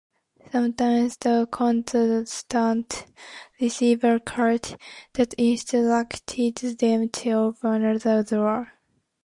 Sometimes the contestant received a card that instructed them to open another door.